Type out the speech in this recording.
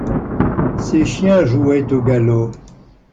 Ses chiens jouaient au galop.